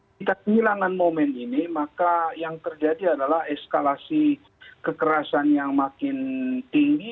kita kehilangan momen ini maka yang terjadi adalah eskalasi kekerasan yang makin tinggi